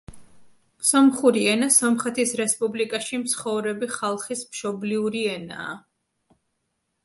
სომხური ენა სომხეთის რესპუბლიკაში მცხოვრები ხალხის მშობლიური ენაა.